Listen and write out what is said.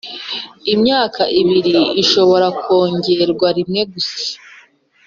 imyaka ibiri ishobora kongerwa rimwe gusa